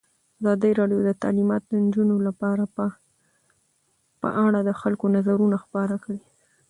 ازادي راډیو د تعلیمات د نجونو لپاره په اړه د خلکو نظرونه خپاره کړي.